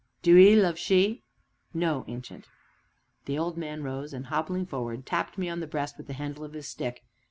"Do 'ee love she?" "No, Ancient." The old man rose, and, hobbling forward, tapped me upon the breast with the handle of his stick.